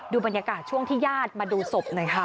บรรยากาศช่วงที่ญาติมาดูศพหน่อยค่ะ